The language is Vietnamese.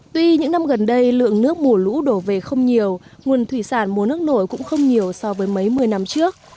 tuy những năm gần đây lượng nước mùa lũ đổ về không nhiều nguồn thủy sản mùa nước nổi cũng không nhiều so với mấy mươi năm trước